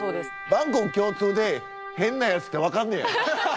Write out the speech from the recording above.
万国共通で変なやつって分かんねや。